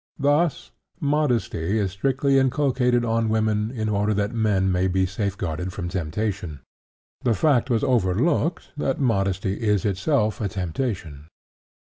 Thus modesty is strictly inculcated on women in order that men may be safeguarded from temptation. The fact was overlooked that modesty is itself a temptation.